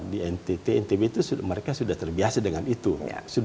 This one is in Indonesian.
di ntt ntb itu mereka sudah terbiasa dengan itu